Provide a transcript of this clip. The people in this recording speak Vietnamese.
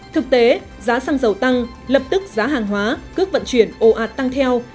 thực tế giá săng dầu tăng lập tức giá hàng hóa cước vận chuyển ô ạt tăng theo